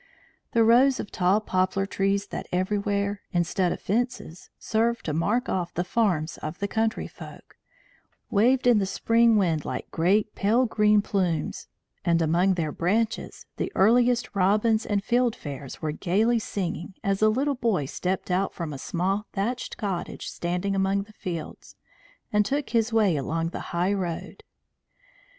The rows of tall poplar trees that everywhere, instead of fences, served to mark off the farms of the country folk, waved in the spring wind like great, pale green plumes; and among their branches the earliest robins and field fares were gaily singing as a little boy stepped out from a small thatched cottage standing among the fields, and took his way along the highroad.